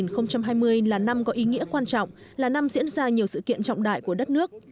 năm hai nghìn hai mươi là năm có ý nghĩa quan trọng là năm diễn ra nhiều sự kiện trọng đại của đất nước